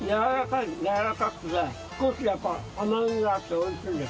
軟らかくて少しやっぱ甘みがあっておいしいです。